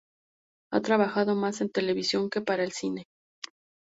Ha trabajado más en televisión que para el cine.